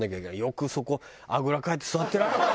「よくそこあぐらかいて座ってられる」。